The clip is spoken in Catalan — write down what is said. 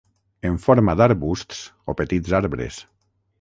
En forma d'arbusts o petits arbres.